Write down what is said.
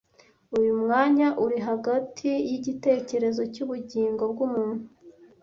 Uyu mwanya uri hagati yigitekerezo cyubugingo bwumuntu